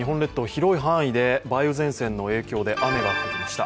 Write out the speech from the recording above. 広い範囲で梅雨前線の影響で雨が降りました。